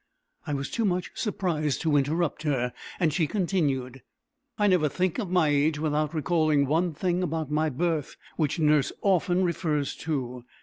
I was too much surprised to interrupt her, and she continued: "I never think of my age without recalling one thing about my birth, which nurse often refers to.